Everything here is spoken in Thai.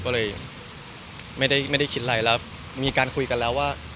ก็เลยไม่ได้คิดอะไรแล้วมีการคุยกันแล้วว่า